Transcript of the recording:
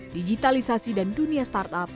digitalisasi dan dunia startup